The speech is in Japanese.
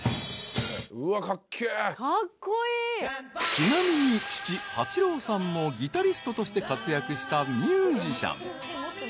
［ちなみに父八郎さんもギタリストとして活躍したミュージシャン。